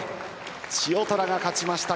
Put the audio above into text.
千代虎が勝ちました。